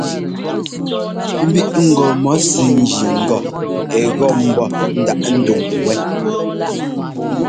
Mbíꞌŋgɔ mɔ sɛ́ ńjí ŋgɔ ɛ́ gɔ́ ḿbɔ́ ndaꞌ ndúŋ wɛ.